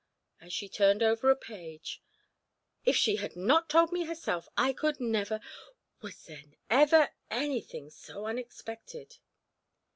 as she turned over a page, "if she had not told me herself, I could never was there ever anything so unexpected?"